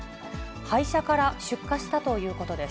廃車から出火したということです。